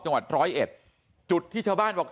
จังหวัด๑๐๑จุดที่ชาวบ้านบอก